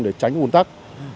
để tránh ủn tắc